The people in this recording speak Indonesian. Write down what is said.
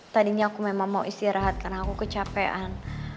tadinya aku memang mau istirahat karena aku kecapean